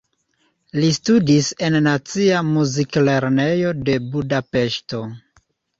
Li studis en Nacia Muziklernejo de Budapeŝto.